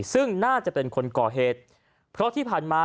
ซึ่งน่าจะเป็นคนก่อเหตุเพราะที่ผ่านมา